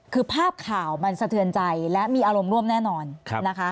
คือภาพข่าวมันสะเทือนใจและมีอารมณ์ร่วมแน่นอนนะคะ